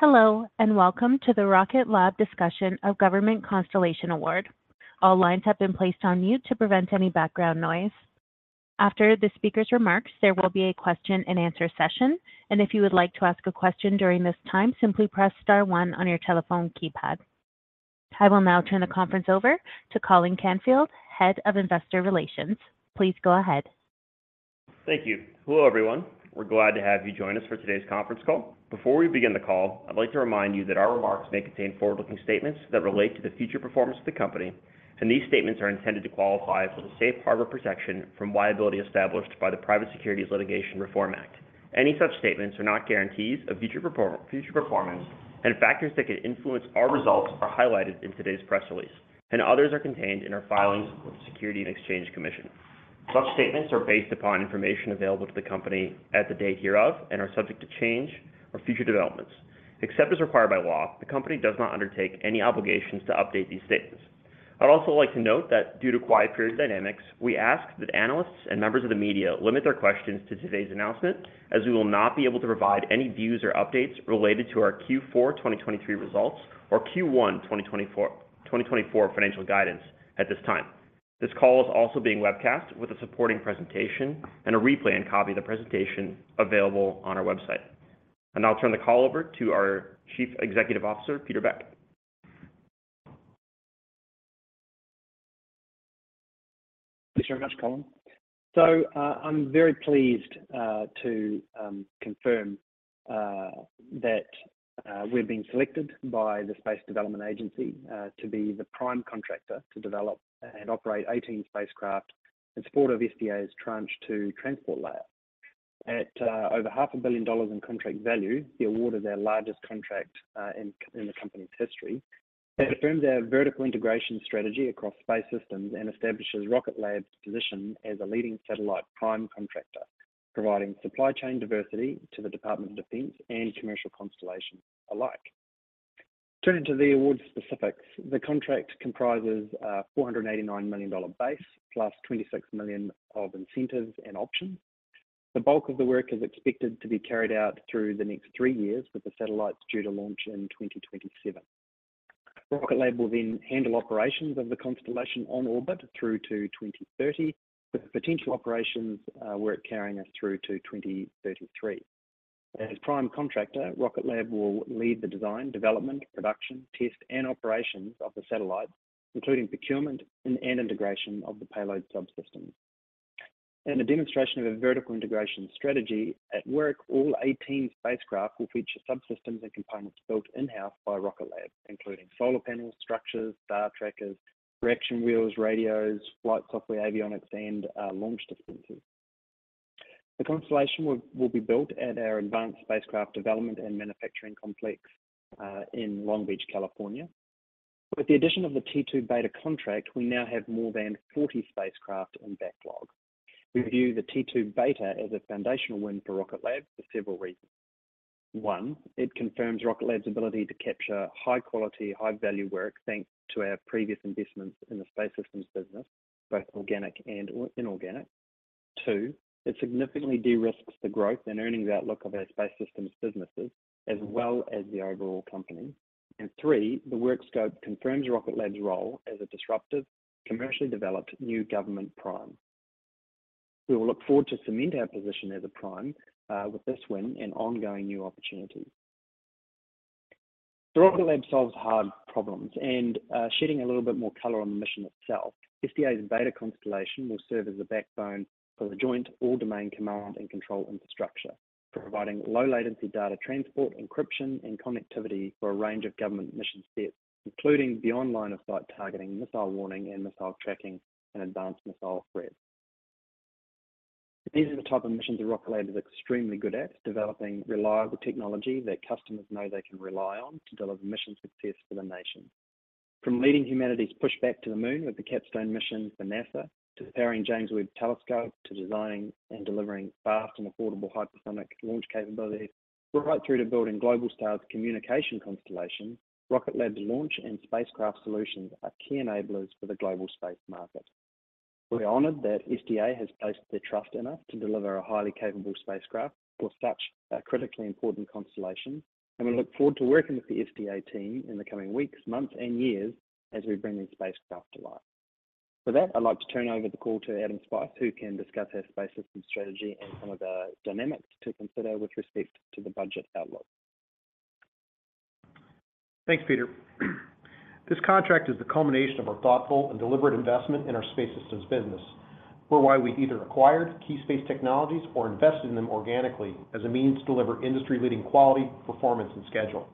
Hello, and welcome to the Rocket Lab discussion of Government Constellation Award. All lines have been placed on mute to prevent any background noise. After the speaker's remarks, there will be a question and answer session, and if you would like to ask a question during this time, simply press star one on your telephone keypad. I will now turn the conference over to Colin Canfield, Head of Investor Relations. Please go ahead. Thank you. Hello, everyone. We're glad to have you join us for today's conference call. Before we begin the call, I'd like to remind you that our remarks may contain forward-looking statements that relate to the future performance of the company, and these statements are intended to qualify for the safe harbor protection from liability established by the Private Securities Litigation Reform Act. Any such statements are not guarantees of future performance, and factors that could influence our results are highlighted in today's press release, and others are contained in our filings with the Securities and Exchange Commission. Such statements are based upon information available to the company at the date hereof and are subject to change or future developments. Except as required by law, the company does not undertake any obligations to update these statements. I'd also like to note that due to quiet period dynamics, we ask that analysts and members of the media limit their questions to today's announcement, as we will not be able to provide any views or updates related to our Q4 2023 results or Q1 2024 financial guidance at this time. This call is also being webcast with a supporting presentation and a replay and copy of the presentation available on our website. I'll now turn the call over to our Chief Executive Officer, Peter Beck. Thanks very much, Colin. So, I'm very pleased to confirm that we've been selected by the Space Development Agency to be the prime contractor to develop and operate 18 spacecraft in support of SDA's Tranche 2 Transport Layer. At over $500 million in contract value, the award is our largest contract in the company's history. It affirms our vertical integration strategy across space systems and establishes Rocket Lab's position as a leading satellite prime contractor, providing supply chain diversity to the Department of Defense and commercial constellation alike. Turning to the award specifics, the contract comprises $489 million base, plus $26 million of incentives and options. The bulk of the work is expected to be carried out through the next three years, with the satellites due to launch in 2027. Rocket Lab will then handle operations of the constellation on orbit through to 2030, with potential operations work carrying us through to 2033. As prime contractor, Rocket Lab will lead the design, development, production, test, and operations of the satellites, including procurement and integration of the payload subsystems. In a demonstration of a vertical integration strategy at work, all 18 spacecraft will feature subsystems and components built in-house by Rocket Lab, including solar panels, structures, star trackers, reaction wheels, radios, flight software, avionics, and launch dispensers. The constellation will be built at our Advanced Spacecraft Development and Manufacturing complex in Long Beach, California. With the addition of the T2 Beta contract, we now have more than 40 spacecraft in backlog. We view the T2 Beta as a foundational win for Rocket Lab for several reasons. One, it confirms Rocket Lab's ability to capture high quality, high value work, thanks to our previous investments in the space systems business, both organic and or inorganic. Two, it significantly de-risks the growth and earnings outlook of our space systems businesses, as well as the overall company. And three, the work scope confirms Rocket Lab's role as a disruptive, commercially developed new government prime. We will look forward to cement our position as a prime with this win and ongoing new opportunities. So Rocket Lab solves hard problems, and shedding a little bit more color on the mission itself, SDA's Beta constellation will serve as the backbone for the Joint All-Domain Command and Control infrastructure, providing low latency data transport, encryption, and connectivity for a range of government mission sets, including beyond line of sight targeting, missile warning, and missile tracking, and advanced missile threats. These are the type of missions that Rocket Lab is extremely good at, developing reliable technology that customers know they can rely on to deliver mission success for the nation. From leading humanity's push back to the Moon with the CAPSTONE mission for NASA, to powering James Webb Telescope, to designing and delivering fast and affordable hypersonic launch capabilities, right through to building Globalstar's communication constellation, Rocket Lab's launch and spacecraft solutions are key enablers for the global space market. We're honored that SDA has placed their trust in us to deliver a highly capable spacecraft for such a critically important constellation, and we look forward to working with the SDA team in the coming weeks, months, and years as we bring this spacecraft to life. For that, I'd like to turn over the call to Adam Spice, who can discuss our space system strategy and some of the dynamics to consider with respect to the budget outlook. Thanks, Peter. This contract is the culmination of our thoughtful and deliberate investment in our space systems business, whereby we either acquired key space technologies or invested in them organically as a means to deliver industry-leading quality, performance, and schedule.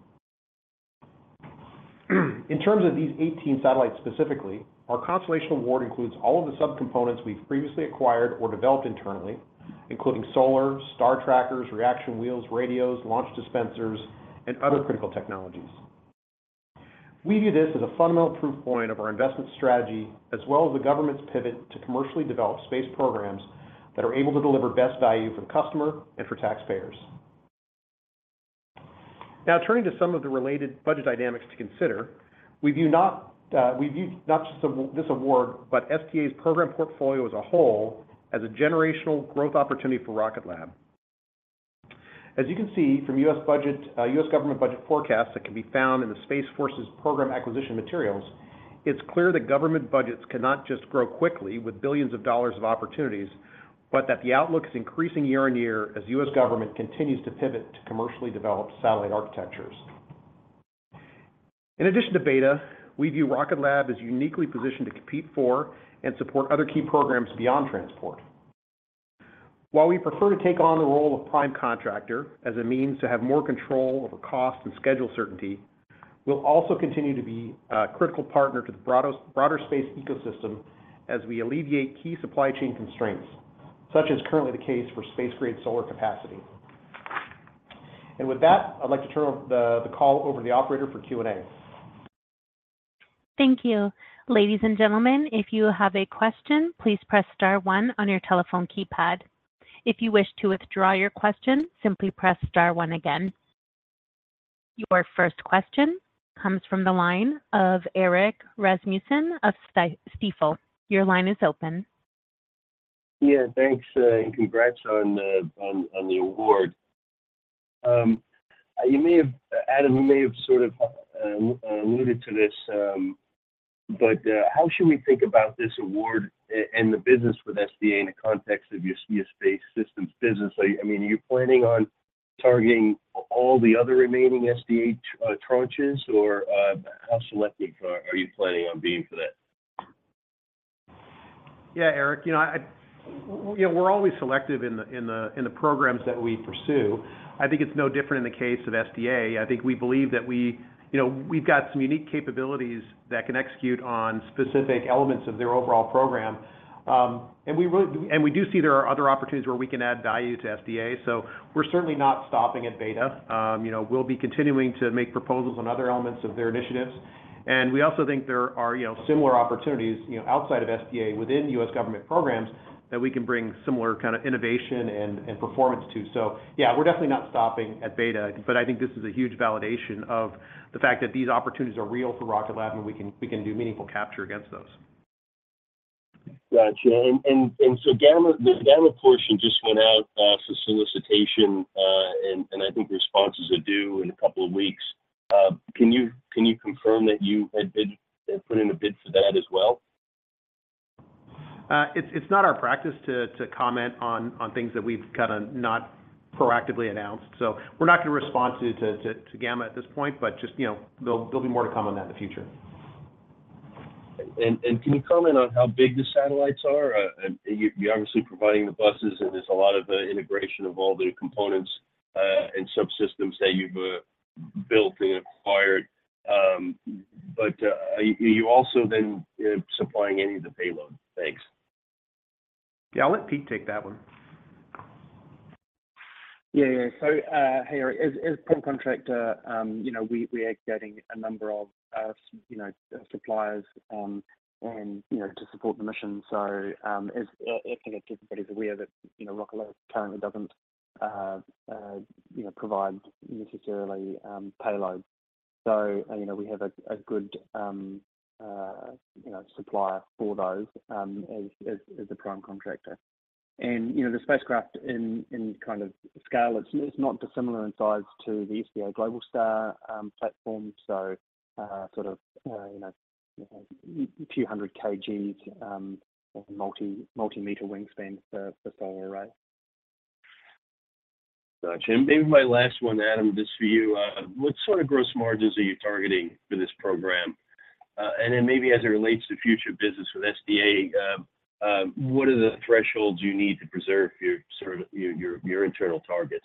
In terms of these 18 satellites specifically, our constellation award includes all of the subcomponents we've previously acquired or developed internally, including solar, star trackers, reaction wheels, radios, launch dispensers, and other critical technologies. We view this as a fundamental proof point of our investment strategy, as well as the government's pivot to commercially developed space programs that are able to deliver best value for the customer and for taxpayers. Now, turning to some of the related budget dynamics to consider, we view not just this award, but SDA's program portfolio as a whole, as a generational growth opportunity for Rocket Lab. As you can see from U.S. budget, U.S. government budget forecasts that can be found in the Space Force's program acquisition materials, it's clear that government budgets cannot just grow quickly with billions of dollars of opportunities, but that the outlook is increasing year on year as U.S. government continues to pivot to commercially developed satellite architectures. In addition to Beta, we view Rocket Lab as uniquely positioned to compete for and support other key programs beyond transport. While we prefer to take on the role of prime contractor as a means to have more control over cost and schedule certainty, we'll also continue to be a critical partner to the broader space ecosystem as we alleviate key supply chain constraints, such as currently the case for space-grade solar capacity. And with that, I'd like to turn over the call over to the operator for Q&A. Thank you. Ladies and gentlemen, if you have a question, please press star one on your telephone keypad. If you wish to withdraw your question, simply press star one again. Your first question comes from the line of Erik Rasmussen of Stifel. Your line is open. Yeah, thanks, and congrats on the award. You may have, Adam, sort of alluded to this, but how should we think about this award and the business with SDA in the context of your Space Systems business? I mean, are you planning on targeting all the other remaining SDA tranches, or how selective are you planning on being for that? Yeah, Erik, you know, I, you know, we're always selective in the programs that we pursue. I think it's no different in the case of SDA. I think we believe that we, you know, we've got some unique capabilities that can execute on specific elements of their overall program. And we do see there are other opportunities where we can add value to SDA, so we're certainly not stopping at Beta. You know, we'll be continuing to make proposals on other elements of their initiatives. And we also think there are, you know, similar opportunities, you know, outside of SDA within US government programs, that we can bring similar kind of innovation and, and performance to. So, yeah, we're definitely not stopping at Beta, but I think this is a huge validation of the fact that these opportunities are real for Rocket Lab, and we can, we can do meaningful capture against those. Got you. And, and, and so Gamma, the Gamma portion just went out, so solicitation, and, and I think responses are due in a couple of weeks. Can you, can you confirm that you had been, had put in a bid for that as well? It's not our practice to comment on things that we've kinda not proactively announced, so we're not going to respond to Gamma at this point, but just, you know, there'll be more to come on that in the future. Can you comment on how big the satellites are? And you, you're obviously providing the buses, and there's a lot of integration of all the components and subsystems that you've built and acquired. But are you also then supplying any of the payload? Thanks. Yeah, I'll let Pete take that one. Yeah, yeah. So, hey, Erik, as prime contractor, you know, we are getting a number of, you know, suppliers, and, you know, to support the mission. So, as I think everybody's aware that, you know, Rocket Lab currently doesn't, you know, provide necessarily, payloads. So, you know, we have a good, you know, supplier for those, as the prime contractor. And, you know, the spacecraft in kind of scale, it's not dissimilar in size to the SDA Globalstar platform. So, sort of, you know, a few hundred kgs of multi-meter wingspan for solar array. Got you. And maybe my last one, Adam, just for you. What sort of gross margins are you targeting for this program? And then maybe as it relates to future business with SDA, what are the thresholds you need to preserve your sort of your internal targets?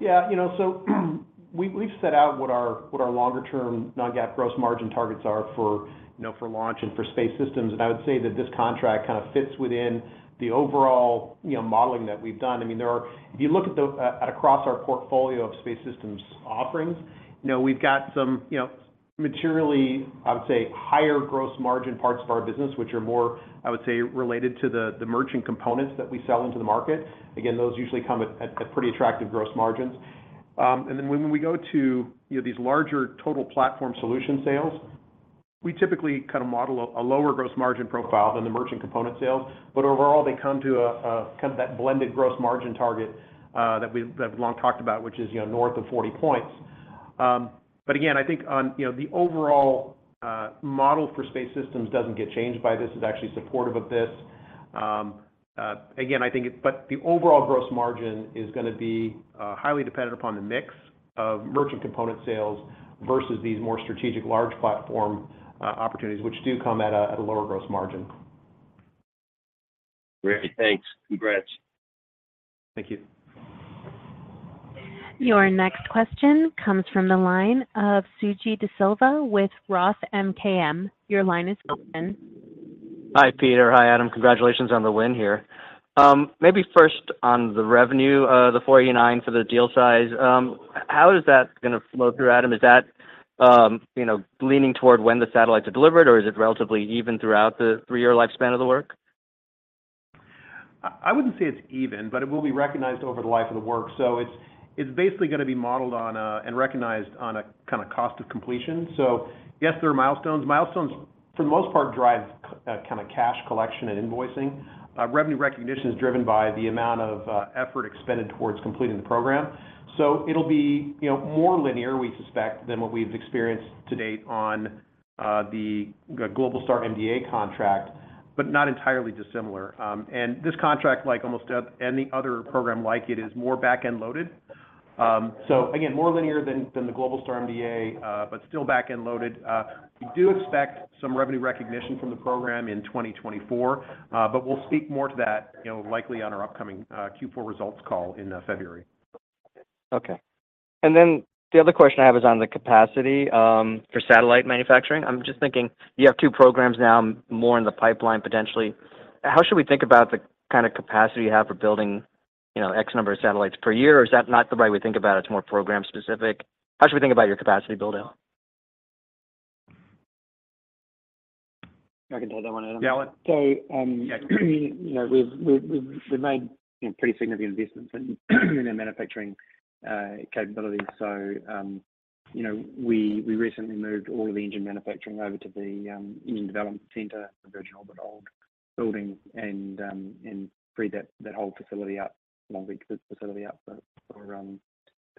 Yeah, you know, so we, we've set out what our, what our longer term non-GAAP gross margin targets are for, you know, for launch and for space systems. And I would say that this contract kind of fits within the overall, you know, modeling that we've done. I mean, there are—if you look at the, at across our portfolio of space systems offerings, you know, we've got some, you know, materially, I would say, higher gross margin parts of our business, which are more, I would say, related to the, the merchant components that we sell into the market. Again, those usually come at pretty attractive gross margins. And then when we go to, you know, these larger total platform solution sales, we typically kind of model a lower gross margin profile than the merchant component sales. But overall, they come to a kind of that blended gross margin target that we've long talked about, which is, you know, north of 40 points. But again, I think on, you know, the overall model for space systems doesn't get changed by this. It's actually supportive of this. Again, I think, but the overall gross margin is gonna be highly dependent upon the mix of merchant component sales versus these more strategic large platform opportunities, which do come at a lower gross margin. Great. Thanks. Congrats. Thank you. Your next question comes from the line of Suji Desilva with Roth MKM. Your line is open. Hi, Peter. Hi, Adam. Congratulations on the win here. Maybe first on the revenue, the $49 for the deal size, how is that gonna flow through, Adam? Is that, you know, leaning toward when the satellites are delivered, or is it relatively even throughout the three-year lifespan of the work?... I wouldn't say it's even, but it will be recognized over the life of the work. So it's basically gonna be modeled on and recognized on a kind of cost of completion. So yes, there are milestones. Milestones, for the most part, drive kind of cash collection and invoicing. Revenue recognition is driven by the amount of effort expended towards completing the program. So it'll be, you know, more linear, we suspect, than what we've experienced to date on the Globalstar MDA contract, but not entirely dissimilar. And this contract, like almost any other program like it, is more back-end loaded. So again, more linear than the Globalstar MDA, but still back-end loaded. We do expect some revenue recognition from the program in 2024. We'll speak more to that, you know, likely on our upcoming Q4 results call in February. Okay. Then the other question I have is on the capacity for satellite manufacturing. I'm just thinking, you have 2 programs now, more in the pipeline, potentially. How should we think about the kind of capacity you have for building, you know, X number of satellites per year? Or is that not the right way to think about it, it's more program specific? How should we think about your capacity build-out? I can take that one, Adam. Yeah. Okay, you know, we've made pretty significant investments in our manufacturing capabilities. So, you know, we recently moved all of the engine manufacturing over to the Engine Development Center, a Virgin Orbit building, and freed up that whole facility for the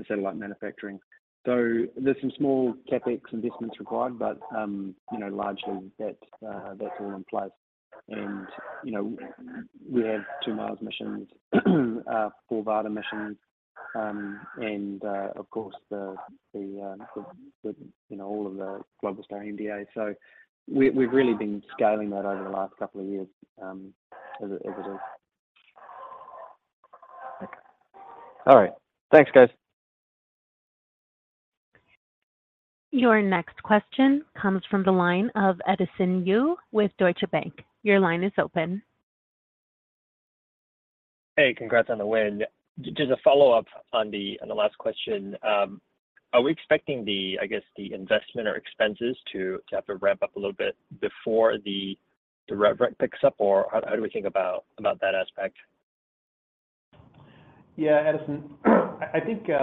satellite manufacturing. So there's some small CapEx investments required, but you know, largely that's all in place. And, you know, we have two Mars missions, four Varda missions, and of course, you know, all of the Globalstar MDA. So we've really been scaling that over the last couple of years, as it is. Okay. All right. Thanks, guys. Your next question comes from the line of Edison Yu with Deutsche Bank. Your line is open. Hey, congrats on the win. Just a follow-up on the last question. Are we expecting, I guess, the investment or expenses to have to ramp up a little bit before the rev rec picks up? Or how do we think about that aspect? Yeah, Edison, I think, you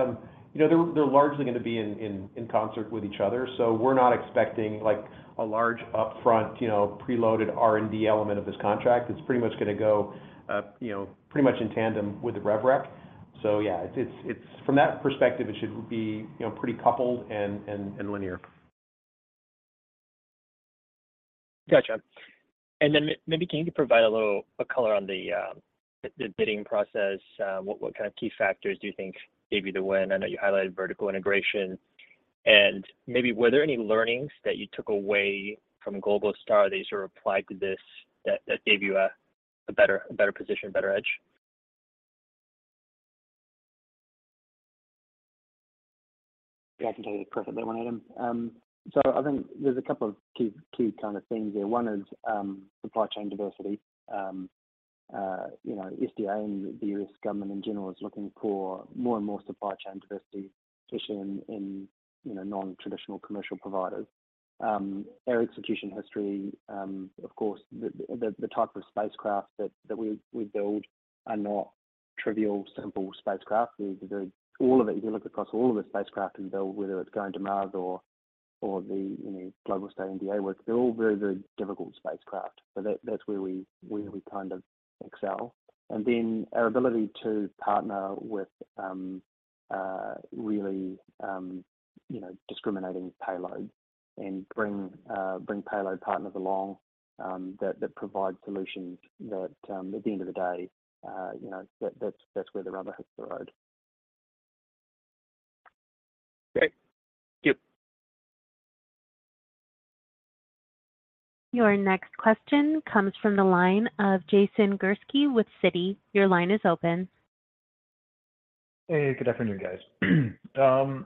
know, they're largely gonna be in concert with each other. So we're not expecting, like, a large upfront, you know, preloaded R&D element of this contract. It's pretty much gonna go, you know, pretty much in tandem with the rev rec. So yeah, it's... From that perspective, it should be, you know, pretty coupled and linear. Gotcha. And then maybe can you provide a little color on the bidding process? What kind of key factors do you think gave you the win? I know you highlighted vertical integration. And maybe were there any learnings that you took away from Globalstar that you sort of applied to this that gave you a better position, a better edge? Yeah, I can tell you the perfect that one, Adam. So I think there's a couple of key, key kind of things there. One is, supply chain diversity. You know, SDA and the U.S. government in general is looking for more and more supply chain diversity, especially in, you know, non-traditional commercial providers. Our execution history, of course, the type of spacecraft that we build are not trivial, simple spacecraft. They're very all of it, if you look across all of the spacecraft we build, whether it's going to Mars or the, you know, Globalstar MDA work, they're all very, very difficult spacecraft. So that's where we kind of excel. And then our ability to partner with really, you know, discriminating payloads and bring bring payload partners along, that that provide solutions that, at the end of the day, you know, that that's that's where the rubber hits the road. Great. Thank you. Your next question comes from the line of Jason Gursky with Citi. Your line is open. Hey, good afternoon, guys.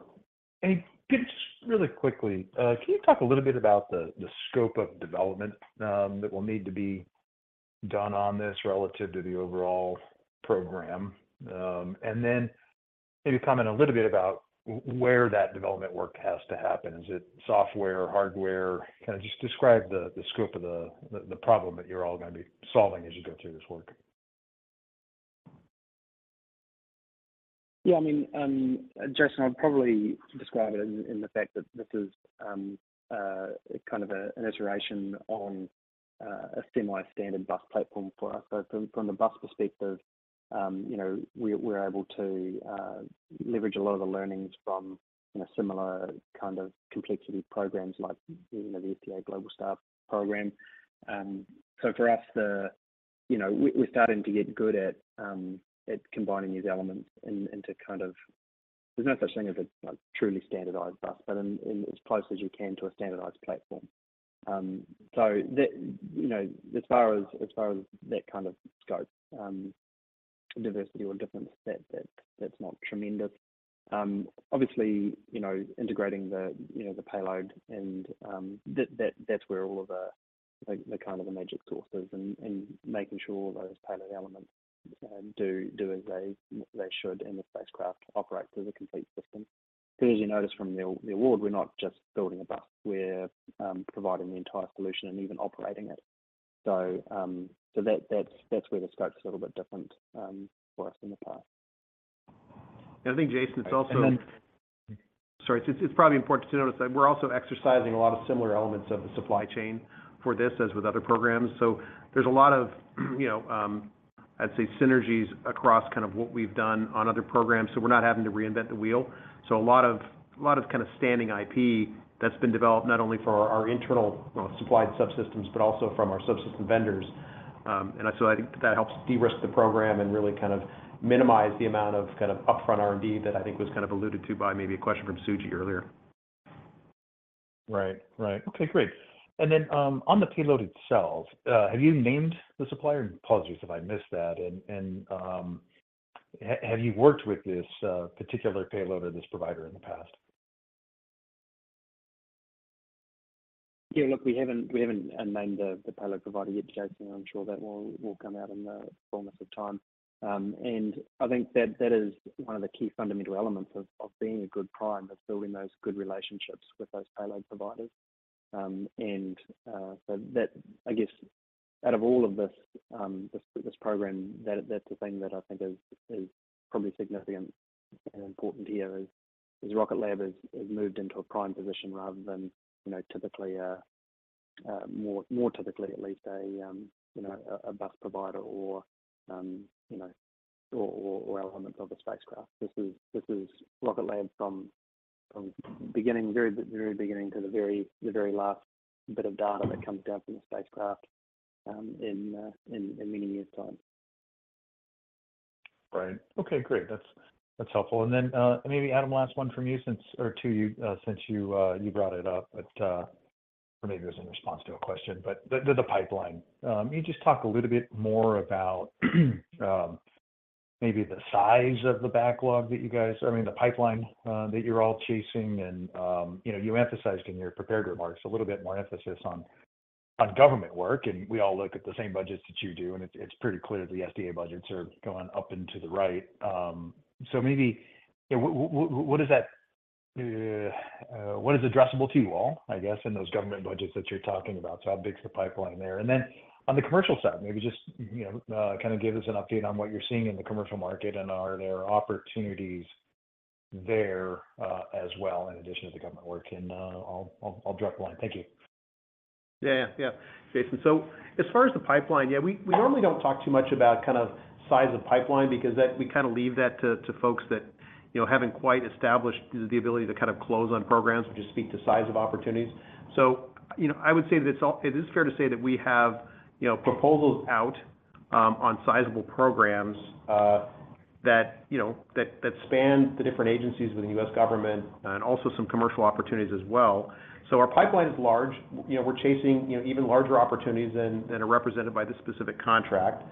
Hey, just really quickly, can you talk a little bit about the scope of development that will need to be done on this relative to the overall program? And then maybe comment a little bit about where that development work has to happen. Is it software, hardware? Kind of just describe the problem that you're all gonna be solving as you go through this work. Yeah, I mean, Jason, I'd probably describe it in the fact that this is kind of a an iteration on a semi-standard bus platform for us. So from the bus perspective, you know, we're able to leverage a lot of the learnings from you know, similar kind of complexity programs like you know, the SDA Globalstar program. So for us, the... You know, we're starting to get good at combining these elements and to kind of-- there's no such thing as a truly standardized bus, but in as close as you can to a standardized platform. So the, you know, as far as that kind of scope, diversity or difference, that that's not tremendous. Obviously, you know, integrating the, you know, the payload and, that, that's where all of the, like, the kind of the magic sauce is, and, making sure all those payload elements, do as they should, and the spacecraft operates as a complete system. As you notice from the award, we're not just building a bus, we're providing the entire solution and even operating it. So, that's where the scope's a little bit different for us in the past. I think, Jason, it's also- And then- Sorry. It's probably important to notice that we're also exercising a lot of similar elements of the supply chain for this, as with other programs. So there's a lot of, you know, I'd say synergies across kind of what we've done on other programs, so we're not having to reinvent the wheel. So a lot of, a lot of kind of standing IP that's been developed, not only for our internal, well, supplied subsystems, but also from our subsystem vendors. And so I think that helps de-risk the program and really kind of minimize the amount of kind of upfront R&D that I think was kind of alluded to by maybe a question from Suji earlier. Right. Right. Okay, great. And then, on the payload itself, have you named the supplier? Apologies if I missed that. And, have you worked with this particular payload or this provider in the past? Yeah, look, we haven't named the payload provider yet, Jason. I'm sure that will come out in the fullness of time. And I think that is one of the key fundamental elements of being a good prime, is building those good relationships with those payload providers. And so that, I guess, out of all of this, this program, that's the thing that I think is probably significant and important here, is Rocket Lab has moved into a prime position rather than, you know, typically a more typically at least a bus provider or elements of the spacecraft. This is Rocket Lab from the very beginning to the very last bit of data that comes down from the spacecraft in many years' time. Right. Okay, great. That's, that's helpful. And then, maybe, Adam, last one from you since, or two, you, since you, you brought it up, but, or maybe it was in response to a question, but the, the pipeline. Can you just talk a little bit more about, maybe the size of the backlog that you guys—I mean, the pipeline, that you're all chasing? And, you know, you emphasized in your prepared remarks a little bit more emphasis on, on government work, and we all look at the same budgets that you do, and it's, it's pretty clear the SDA budgets are going up and to the right. So maybe, yeah, what is that, what is addressable to you all, I guess, in those government budgets that you're talking about? So how big is the pipeline there? Then on the commercial side, maybe just, you know, kind of give us an update on what you're seeing in the commercial market, and are there opportunities there, as well, in addition to the government work? I'll drop the line. Thank you. Yeah. Yeah, Jason. So as far as the pipeline, yeah, we normally don't talk too much about kind of size of pipeline because that, we kind of leave that to folks that, you know, haven't quite established the ability to kind of close on programs, but just speak to size of opportunities. So, you know, I would say that it is fair to say that we have, you know, proposals out on sizable programs that, you know, span the different agencies within the U.S. government and also some commercial opportunities as well. So our pipeline is large. You know, we're chasing, you know, even larger opportunities than are represented by this specific contract.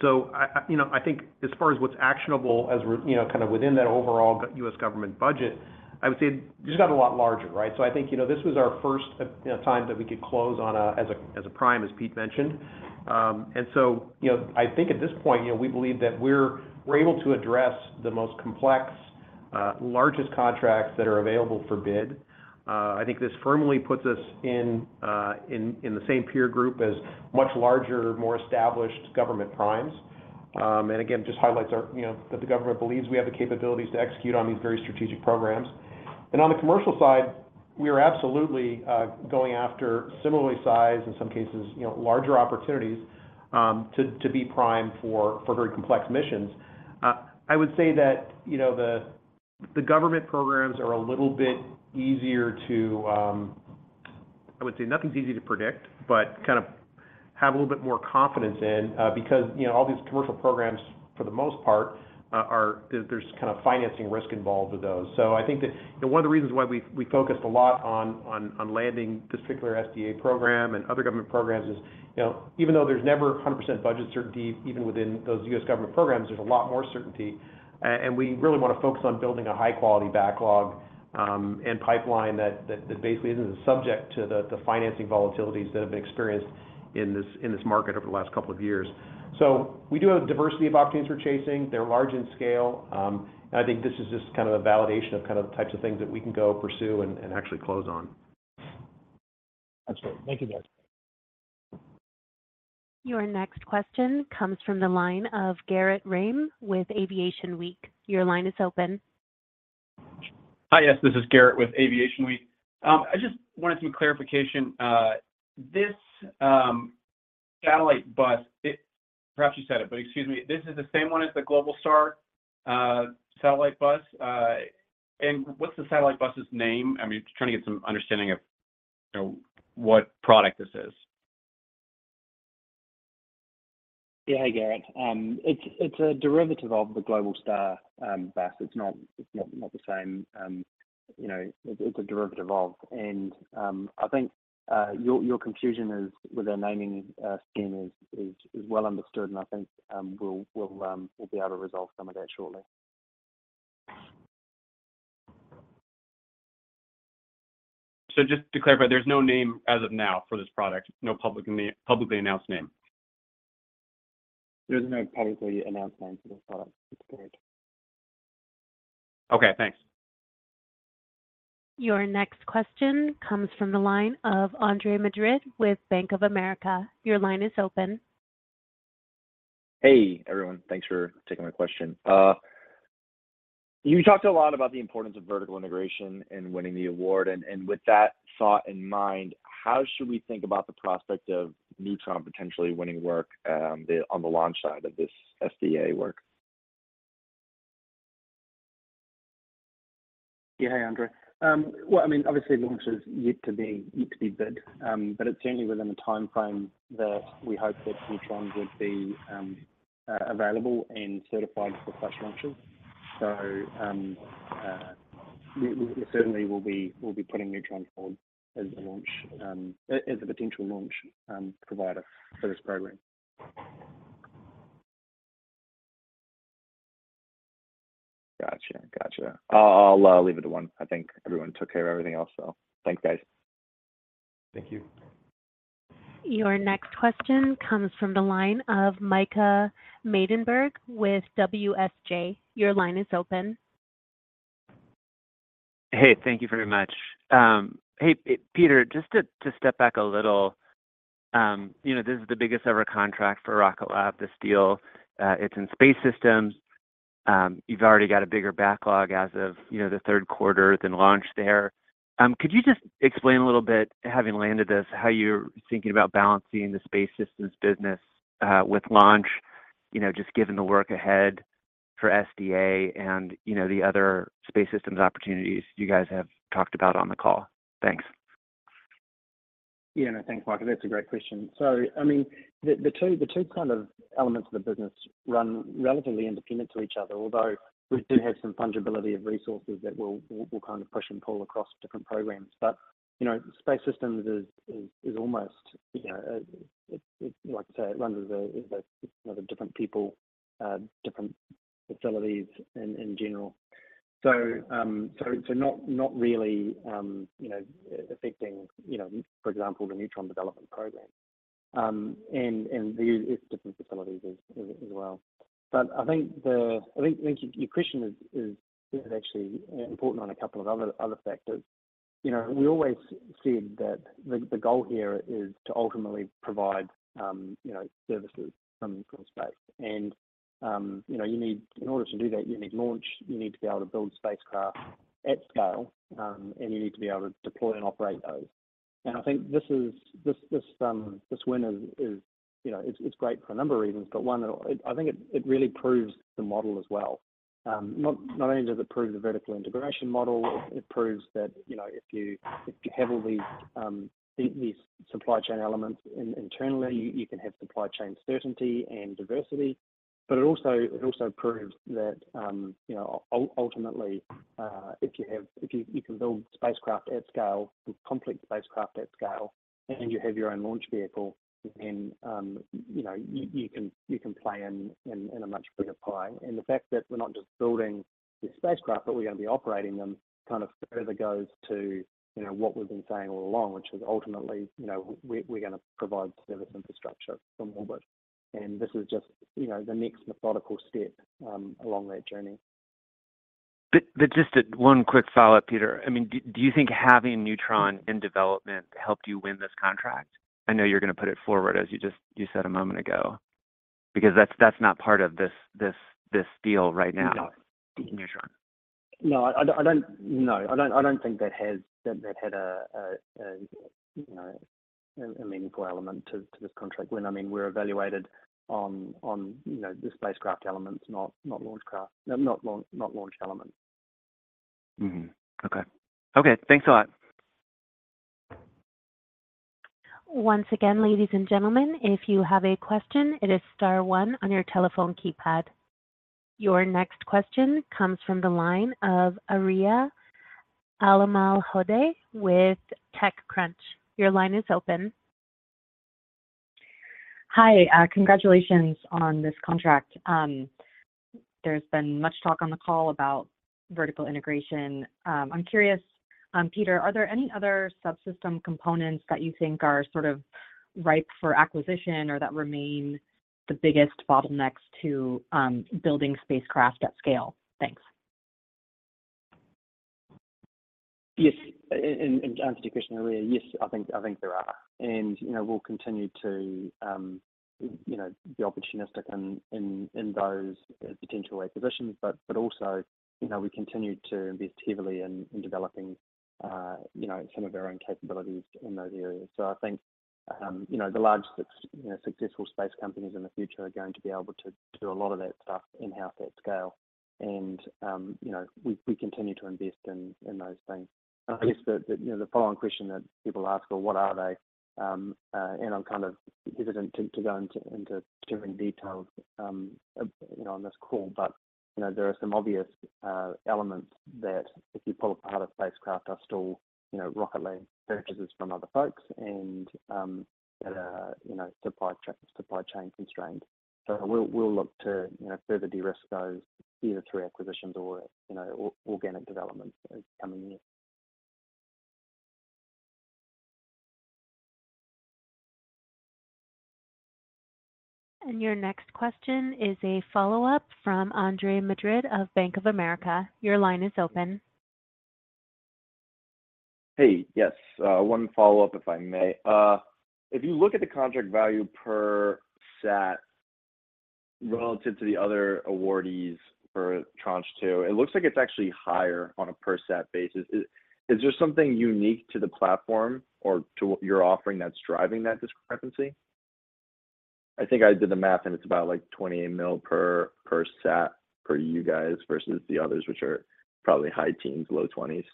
So I, you know, I think as far as what's actionable as we're, you know, kind of within that overall U.S. government budget, I would say it just got a lot larger, right? So I think, you know, this was our first, you know, time that we could close on a as a prime, as Pete mentioned. And so, you know, I think at this point, you know, we believe that we're able to address the most complex, largest contracts that are available for bid. I think this firmly puts us in the same peer group as much larger, more established government primes. And again, just highlights our, you know, that the government believes we have the capabilities to execute on these very strategic programs. And on the commercial side, we are absolutely going after similarly sized, in some cases, you know, larger opportunities, to be prime for very complex missions. I would say that, you know, the government programs are a little bit easier to... I would say nothing's easy to predict, but kind of have a little bit more confidence in, because, you know, all these commercial programs, for the most part, there's kind of financing risk involved with those. So I think that, you know, one of the reasons why we focused a lot on landing this particular SDA program and other government programs is, you know, even though there's never 100% budget certainty, even within those U.S. government programs, there's a lot more certainty. We really want to focus on building a high-quality backlog and pipeline that basically isn't as subject to the financing volatilities that have been experienced in this market over the last couple of years. So we do have a diversity of opportunities we're chasing. They're large in scale. I think this is just kind of a validation of kind of the types of things that we can go pursue and actually close on. Absolutely. Thank you, guys. Your next question comes from the line of Garrett Reim with Aviation Week. Your line is open. Hi, yes, this is Garrett with Aviation Week. I just wanted some clarification. This satellite bus, it, perhaps you said it, but excuse me. This is the same one as the Globalstar satellite bus? And what's the satellite bus's name? I'm just trying to get some understanding of, you know, what product this is. Yeah. Hey, Garrett. It's a derivative of the Globalstar bus. It's not the same. You know, it's a derivative of... I think your confusion is with our naming scheme is well understood, and I think we'll be able to resolve some of that shortly.... So just to clarify, there's no name as of now for this product, no public name, publicly announced name? There's no publicly announced name for this product. It's good. Okay, thanks. Your next question comes from the line of Andre Madrid with Bank of America. Your line is open. Hey, everyone. Thanks for taking my question. You talked a lot about the importance of vertical integration in winning the award, and with that thought in mind, how should we think about the prospect of Neutron potentially winning work on the launch side of this SDA work? Yeah. Hey, Andre. Well, I mean, obviously, launch is yet to be bid, but it's certainly within the timeframe that we hope that Neutron would be available and certified for such launches. So, we certainly will be. We'll be putting Neutron forward as a potential launch provider for this program. Gotcha, gotcha. I'll leave it at one. I think everyone took care of everything else. So thanks, guys. Thank you. Your next question comes from the line of Micah Maidenberg with WSJ. Your line is open. Hey, thank you very much. Hey, Peter, just to step back a little, you know, this is the biggest ever contract for Rocket Lab, this deal. It's in space systems. You've already got a bigger backlog as of, you know, the Q3 than launch there. Could you just explain a little bit, having landed this, how you're thinking about balancing the space systems business, with launch? You know, just given the work ahead for SDA and, you know, the other space systems opportunities you guys have talked about on the call. Thanks. Yeah. No, thanks, Micah. That's a great question. So, I mean, the two kind of elements of the business run relatively independent to each other, although we do have some fungibility of resources that we'll kind of push and pull across different programs. But, you know, Space Systems is almost, you know, like I say, it runs as a different people, different facilities in general. So, not really, you know, affecting, you know, for example, the Neutron development program. And the use different facilities as well. But I think your question is actually important on a couple of other factors. You know, we always said that the goal here is to ultimately provide, you know, services from space. You know, in order to do that, you need launch, you need to be able to build spacecraft at scale, and you need to be able to deploy and operate those. I think this win is, you know, it's great for a number of reasons, but one, I think it really proves the model as well. Not only does it prove the vertical integration model, it proves that, you know, if you have all these supply chain elements internally, you can have supply chain certainty and diversity. But it also, it also proves that, you know, ultimately, if you have, if you, you can build spacecraft at scale, complete spacecraft at scale, and you have your own launch vehicle, then, you know, you, you can, you can play in, in, in a much bigger pie. And the fact that we're not just building the spacecraft, but we're gonna be operating them, kind of further goes to, you know, what we've been saying all along, which is ultimately, you know, we, we're gonna provide service infrastructure from orbit. And this is just, you know, the next methodical step along that journey. But just one quick follow-up, Peter. I mean, do you think having Neutron in development helped you win this contract? I know you're gonna put it forward, as you just said a moment ago, because that's not part of this deal right now- No... Neutron. No, I don't know. I don't think that had a meaningful element to this contract win. I mean, we're evaluated on, you know, the spacecraft elements, not launch craft, not launch elements. Mm-hmm. Okay. Okay, thanks a lot. Once again, ladies and gentlemen, if you have a question, it is star one on your telephone keypad. Your next question comes from the line of Aria Alamalhodaei with TechCrunch. Your line is open. Hi, congratulations on this contract. There's been much talk on the call about vertical integration. I'm curious, Peter, are there any other subsystem components that you think are sort of ripe for acquisition or that remain the biggest bottlenecks to, building spacecraft at scale? Thanks. Yes, and to answer your question, Aria, yes, I think there are. And, you know, we'll continue to, you know, be opportunistic in those potential acquisitions. But also, you know, we continue to invest heavily in developing, you know, some of our own capabilities in those areas. So I think, you know, the large successful space companies in the future are going to be able to do a lot of that stuff in-house at scale. And, you know, we continue to invest in those things. I guess the, you know, the follow-on question that people ask, "Well, what are they?" and I'm kind of hesitant to go into too many details, you know, on this call, but, you know, there are some obvious elements that if you pull apart a spacecraft are still, you know, Rocket Lab purchases from other folks and that are, you know, supply chain constraints. So we'll look to, you know, further de-risk those, either through acquisitions or, you know, or organic development in coming years.... And your next question is a follow-up from Andre Madrid of Bank of America. Your line is open. Hey. Yes, one follow-up, if I may. If you look at the contract value per sat relative to the other awardees for tranche two, it looks like it's actually higher on a per sat basis. Is there something unique to the platform or to what you're offering that's driving that discrepancy? I think I did the math, and it's about, like, $28 million per sat for you guys versus the others, which are probably high teens, low twenties.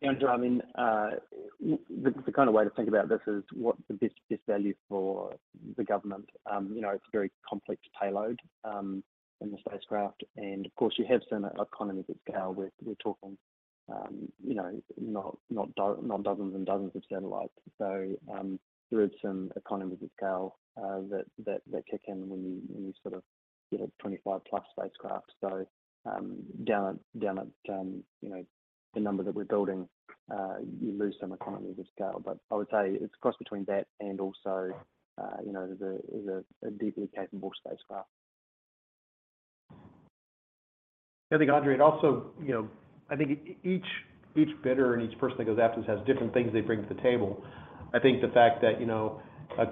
Yeah, Andre, I mean, the kind of way to think about this is what the best value for the government. You know, it's a very complex payload in the spacecraft, and of course, you have some economies of scale. We're talking, you know, not dozens and dozens of satellites. So, there is some economies of scale that kick in when you sort of get a 25+ spacecraft. So, down at, you know, the number that we're building, you lose some economies of scale. But I would say it's a cross between that and also, you know, a deeply capable spacecraft. I think, Andre, it also... You know, I think each bidder and each person that goes after this has different things they bring to the table. I think the fact that, you know,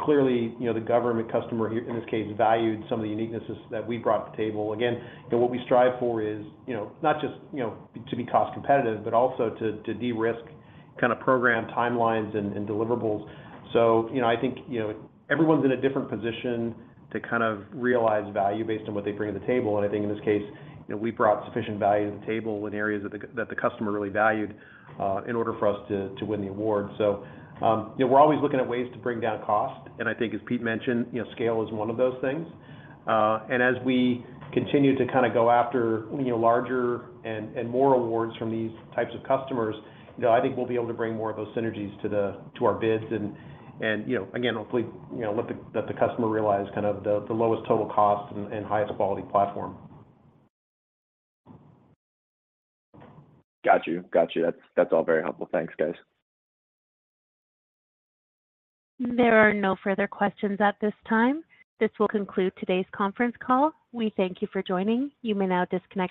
clearly, you know, the government customer here, in this case, valued some of the uniquenesses that we brought to the table. Again, you know, what we strive for is, you know, not just, you know, to be cost competitive, but also to de-risk kind of program timelines and deliverables. So, you know, I think, you know, everyone's in a different position to kind of realize value based on what they bring to the table. And I think in this case, you know, we brought sufficient value to the table in areas that the customer really valued in order for us to win the award. So, you know, we're always looking at ways to bring down cost, and I think, as Pete mentioned, you know, scale is one of those things. And as we continue to kind of go after, you know, larger and more awards from these types of customers, you know, I think we'll be able to bring more of those synergies to our bids. And, you know, again, hopefully, you know, let the customer realize kind of the lowest total cost and highest quality platform. Got you. Got you. That's, that's all very helpful. Thanks, guys. There are no further questions at this time. This will conclude today's conference call. We thank you for joining. You may now disconnect your-